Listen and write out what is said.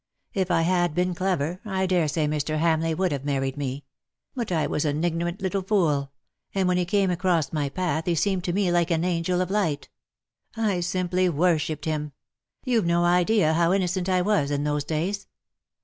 If I had been clever, I daresay Mr. Hamleigh would have married me ; but I was an ignorant little fool — and when he came across my path he seemed to me like an angel of light. I simply worshipped him. You've no idea how innocent I was in those days.